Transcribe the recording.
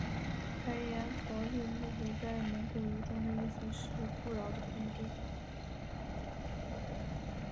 白彦陶力木湖在蒙古语中的意思是富饶的盆地。